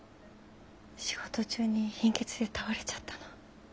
仕事中に貧血で倒れちゃったの。